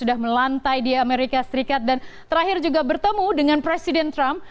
sudah melantai di amerika serikat dan terakhir juga bertemu dengan presiden trump